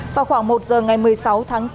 vào khoảng một giờ ngày một mươi sáu tháng tám